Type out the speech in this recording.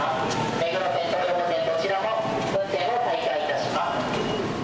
目黒線、東横線どちらも運転を再開いたします。